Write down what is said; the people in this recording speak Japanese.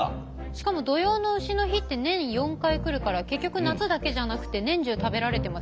しかも土用の丑の日って年４回来るから結局夏だけじゃなくて年中食べられてますよ。